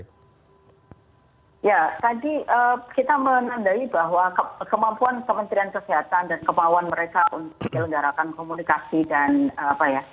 ya tadi kita menandai bahwa kemampuan kementerian kesehatan dan kemauan mereka untuk menyelenggarakan komunikasi dan apa ya